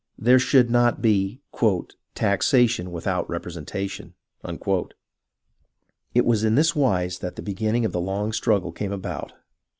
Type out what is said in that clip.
There should not be " taxation without representation." It was in this wise that the beginning of the long struggle came about.